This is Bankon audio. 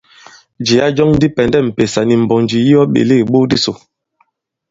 Jìya jɔŋ di pɛ̀ndɛ m̀pèsà nì mbònjì yi ɔ ɓèle ìbok disò.